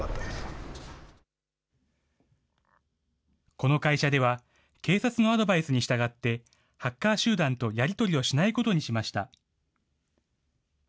この会社では、警察のアドバイスに従って、ハッカー集団とやり取りをしないことにしました。